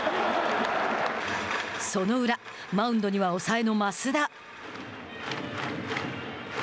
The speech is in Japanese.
その裏、マウンドには抑えの増田。